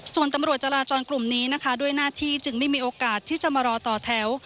ส่วนตำรวจจราจรกลุ่มนี้นะคะด้วยหน้าที่จึงไม่มีโอกาสที่จะมารอต่อแถว